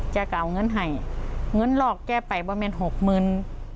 แกก็เอาเงินให้เงินหลอกแกไปบ้างเป็นหกหมื่น